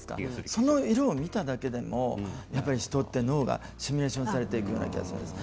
その色を見ただけでもやっぱり人って脳がシミュレーションされていく気がします。